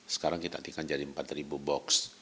sekarang kita tingkatkan jadi empat ribu box